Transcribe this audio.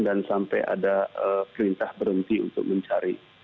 dan sampai ada perintah berhenti untuk mencari